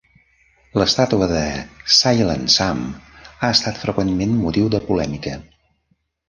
La estàtua de Silent Sam ha estat freqüentment motiu de polèmica.